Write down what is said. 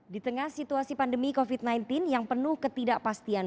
di tengah situasi pandemi covid sembilan belas yang penuh ketidakpastian